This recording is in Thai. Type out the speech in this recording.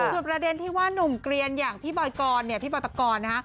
คือประเด็นที่ว่านุ่มเกลียนอย่างพี่โบยกรพี่บัตรกร